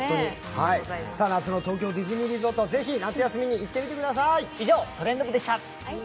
夏の東京ディズニーリゾート、夏休みに行ってみてください。